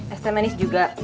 es teh manis juga